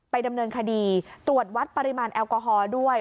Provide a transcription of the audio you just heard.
ดำเนินคดีตรวจวัดปริมาณแอลกอฮอล์ด้วย